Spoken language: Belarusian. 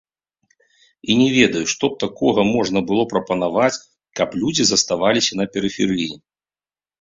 І не ведаю, што б такога можна было прапанаваць, каб людзі заставаліся на перыферыі.